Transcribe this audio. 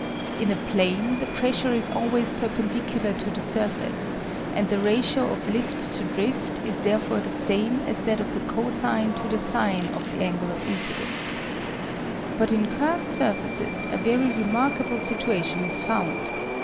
In a plane the pressure is always perpendicular to the surface, and the ratio of lift to drift is therefore the same as that of the cosine to the sine of the angle of incidence. But in curved surfaces a very remarkable situation is found.